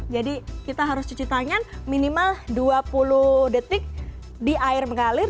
jadi kita harus cuci tangan minimal dua puluh detik di air mengalir